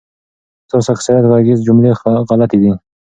ستاسو اکثریت غږیز جملی خلطی دی